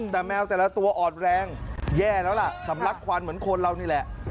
แต่แมวแต่ละตัวอ่อนแรงแย่แล้วล่ะสำลักควันเหมือนคนเรานี่แหละ